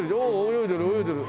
泳いでる泳いでる。